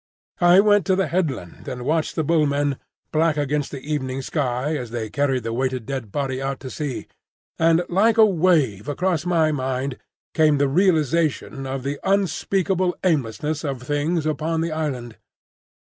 I went to the headland and watched the bull men, black against the evening sky as they carried the weighted dead body out to sea; and like a wave across my mind came the realisation of the unspeakable aimlessness of things upon the island.